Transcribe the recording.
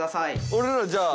俺らじゃあ。